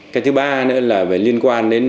cái thứ ba nữa là liên quan đến